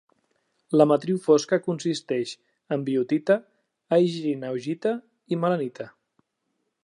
La matriu fosca consisteix en biotita, aegirina-augita i melanita.